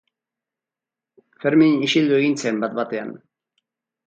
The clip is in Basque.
Fermin isildu egin zen bat-batean.